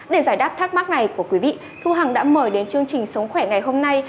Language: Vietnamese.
để giải đáp thắc mắc này của quý vị thu hằng đã mời đến chương trình sống khỏe ngày hôm nay